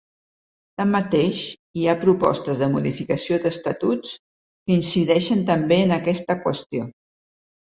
Tanmateix, hi ha propostes de modificació d’estatuts que incideixen també en aquesta qüestió.